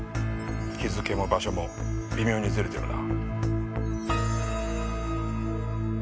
日付も場所も微妙にずれてるな。